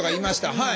はい。